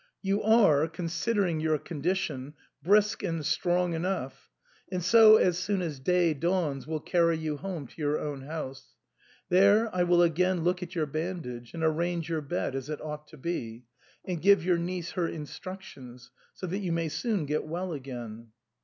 You are, considering your condition, brisk and strong enough, and so as soon as day dawns we'll carry you home to your own house. There I will again look at your bandage, and arrange your bed as it ought to be, and give your niece her instructions, so that you may soon get well again."